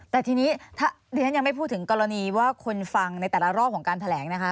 แต่ทีนี้ถ้าดิฉันยังไม่พูดถึงกรณีว่าคนฟังในแต่ละรอบของการแถลงนะคะ